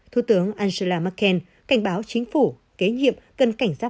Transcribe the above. thủ tướng angela merkel cảnh báo chính phủ kế nhiệm cần cảnh giác